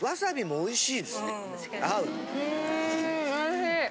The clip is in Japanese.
おいしい！